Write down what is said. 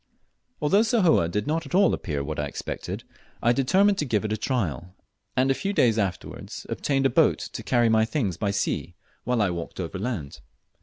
Although Sahoe did not at all appear what I expected, I determined to give it a trial, and a few days afterwards obtained a boat to carry my things by sea while I walked overland.